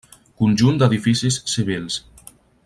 Conjunt d'edificis civils.